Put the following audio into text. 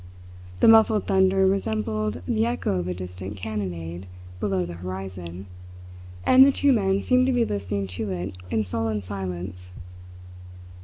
The muffled thunder resembled the echo of a distant cannonade below the horizon, and the two men seemed to be listening to it in sullen silence.